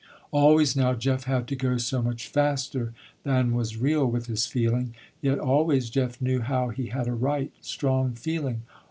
Always now Jeff had to go so much faster than was real with his feeling. Yet always Jeff knew how he had a right, strong feeling.